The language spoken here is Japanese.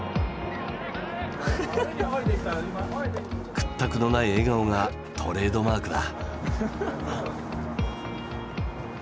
屈託のない笑顔がトレードマークだ。